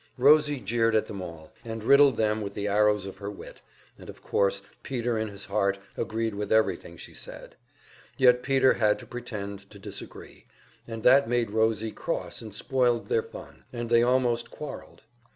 Rosie jeered at them all, and riddled them with the arrows of her wit, and of course Peter in his heart agreed with everything she said; yet Peter had to pretend to disagree, and that made Rosie cross and spoiled their fun, and they almost quarreled.